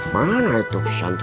mana itu pesantren